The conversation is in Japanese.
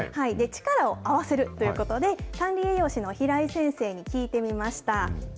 力を合わせるということで、管理栄養士の平井先生に聞いてみました。